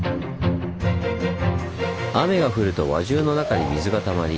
雨が降ると輪中の中に水がたまり